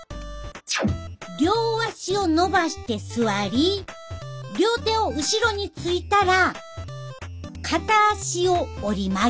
両足をのばして座り両手を後ろについたら片足を折り曲げる。